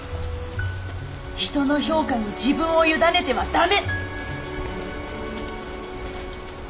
人の評価に自分を委ねては駄目！」。